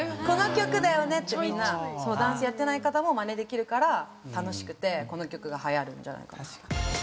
この曲だよねってみんなダンスやってない方もマネできるから楽しくてこの曲がはやるんじゃないかな。